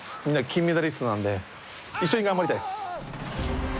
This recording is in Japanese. みんな金メダリストなんで一緒に頑張りたいです。